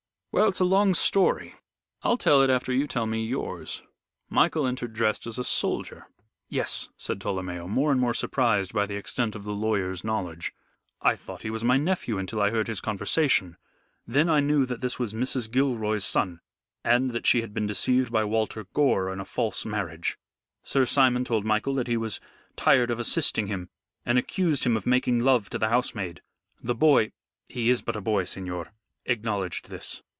"Well, it's a long story. I'll tell it after you tell me yours. Michael entered dressed as a soldier." "Yes," said Tolomeo, more and more surprised by the extent of the lawyer's knowledge. "I thought he was my nephew until I heard his conversation. Then I knew that this was Mrs. Gilroy's son and that she had been deceived by Walter Gore in a false marriage. Sir Simon told Michael that he was tired of assisting him, and accused him of making love to the housemaid. The boy he is but a boy, signor acknowledged this.